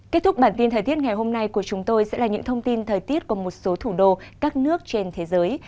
kết thúc bản tin thời tiết ngày hôm nay của chúng tôi sẽ là những thông tin thời tiết của một số thủ đô các nước trên thế giới